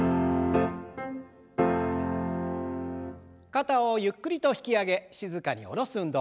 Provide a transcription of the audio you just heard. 肩をゆっくりと引き上げ静かに下ろす運動。